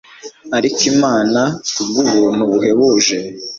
ariko imana, kubwubuntu buhebuje